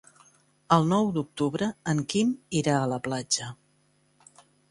El nou d'octubre en Quim irà a la platja.